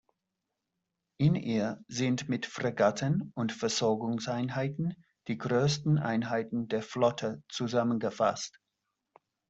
In ihr sind mit Fregatten und Versorgungseinheiten die größten Einheiten der Flotte zusammengefasst.